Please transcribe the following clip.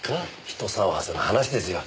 人騒がせな話ですよ。